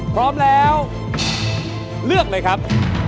พร้อมแล้วเลือกเลยครับ